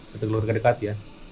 satu keluarga dekat ya